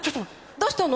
どうしたの？